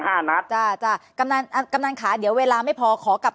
ห้านัดจ้าจ้ะกำนันกำนันค่ะเดี๋ยวเวลาไม่พอขอกลับ